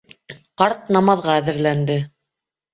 Ҡарт намаҙға әҙерләнде.